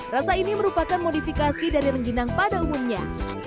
rasa ini merupakan modifikasi dari rengginang pada umumnya